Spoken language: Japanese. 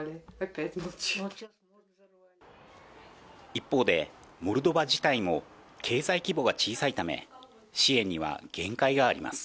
一方でモルドバ自体も経済規模が小さいため支援には限界があります。